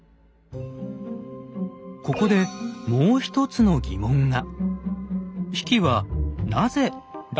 ここでもう一つの疑問が。